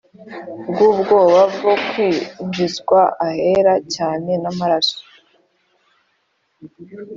Bw ubwoba bwo kwinjizwa ahera cyane n amaraso